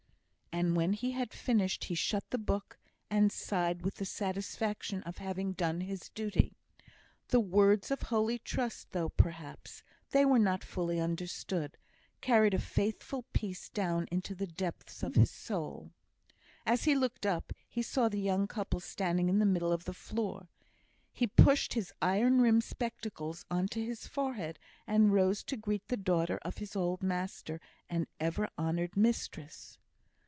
And when he had finished he shut the book, and sighed with the satisfaction of having done his duty. The words of holy trust, though perhaps they were not fully understood, carried a faithful peace down into the depths of his soul. As he looked up, he saw the young couple standing on the middle of the floor. He pushed his iron rimmed spectacles on to his forehead, and rose to greet the daughter of his old master and ever honoured mistress.